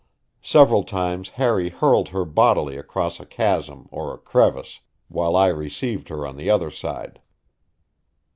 Several times Harry hurled her bodily across a chasm or a crevice, while I received her on the other side.